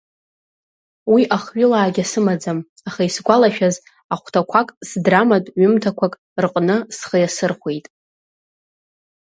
Уи ахҩылаагьы сымаӡам, аха исгәалашәаз ахәҭақәак сдраматә ҩымҭақәак рҟны схы иасырхәеит.